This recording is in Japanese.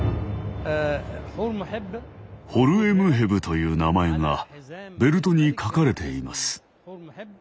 「ホルエムヘブ」という名前がベルトに書かれています。